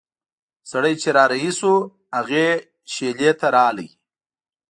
سړی چې را رهي شو هغې شېلې ته راغی.